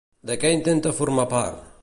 De què intenta formar part?